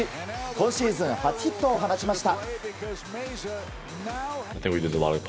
今シーズン初ヒットを放ちました。